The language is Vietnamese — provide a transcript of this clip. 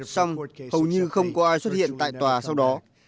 xong hầu như không có ai xuất hiện tại tòa sau đó